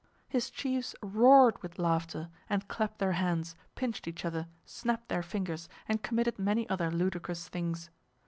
His chiefs roared with laughter, and clapped their hands, pinched each other, snapped their fingers, and committed many other ludicrous things.